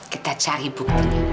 kita cari buktinya